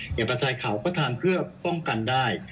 อย่างภาชาไขว่ก็ทานเพื่อป้องกันได้